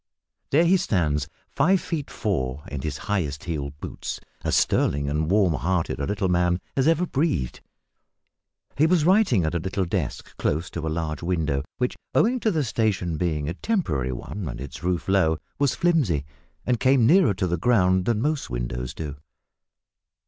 There he stands five feet four in his highest heeled boots as sterling and warm hearted a little man as ever breathed. He was writing at a little desk close to a large window, which, owing to the station being a temporary one and its roof low, was flimsy, and came nearer to the ground than most windows do.